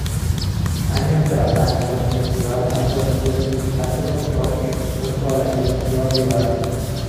Año tras año el Festival ha producido espectáculos propios, junto a la iniciativa privada.